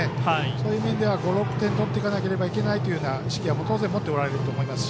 そういう面では、５６点取っていかなければいけない意識を当然持っておられると思います。